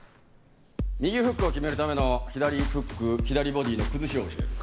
右フックを決めるための左フック左ボディーの崩しを教える。